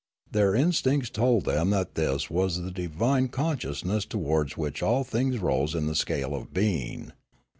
Their instincts told them that this was the divine consciousness towards which all things rose in the scale of being.